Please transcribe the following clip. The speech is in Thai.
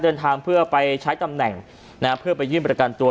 เดินทางเพื่อไปใช้ตำแหน่งนะฮะเพื่อไปยื่นประกันตัว